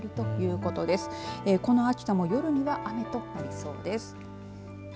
この秋田も夜には雨となりそうです。